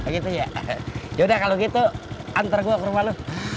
gitu ya yaudah kalau gitu antar gue ke rumah lu